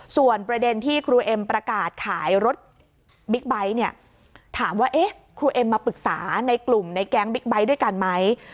ส่วนประเด็นที่ครูเอ็มประกาศขายรถบิ๊กไบท์เนี่ยถามว่าเอ๊ะครูเอ็มมาปรึกษาในกลุ่มในแก๊งบิ๊กไบท์ด้วยกันไหม